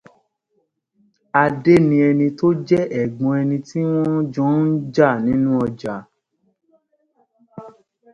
Adé ni ẹni tó jẹ́ ẹ̀gbọ́n ẹni tí wọn jọ ń jà nínú ọjà